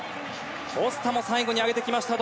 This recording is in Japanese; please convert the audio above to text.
コスタも最後に上げてきました。